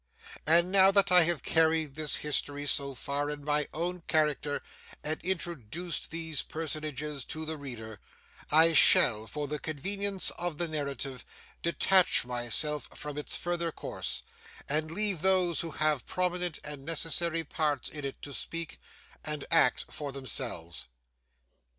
And now that I have carried this history so far in my own character and introduced these personages to the reader, I shall for the convenience of the narrative detach myself from its further course, and leave those who have prominent and necessary parts in it to speak and act for themselves.